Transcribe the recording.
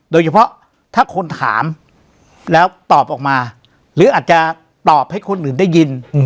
โดยเฉพาะถ้าคนถามแล้วตอบออกมาหรืออาจจะตอบให้คนอื่นได้ยิน